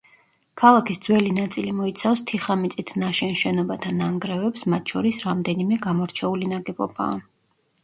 ქალაქის ძველი ნაწილი მოიცავს თიხამიწით ნაშენ შენობათა ნანგრევებს, მათ შორის რამდენიმე გამორჩეული ნაგებობაა.